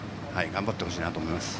頑張ってほしいなと思います。